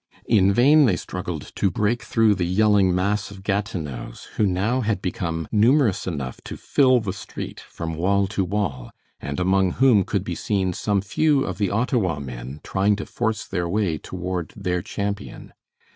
In vain they struggled to break through the yelling mass of Gatineaus, who now had become numerous enough to fill the street from wall to wall, and among whom could be seen some few of the Ottawa men trying to force their way toward their champion.